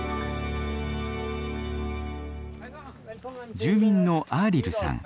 住民のアーリルさん。